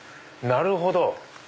なるほど！